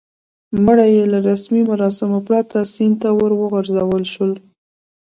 مړی یې له رسمي مراسمو پرته سیند ته ور وغورځول شو.